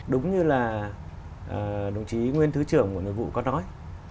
đúng như là đồng chí nguyên thứ trưởng bộ nội vụ có nói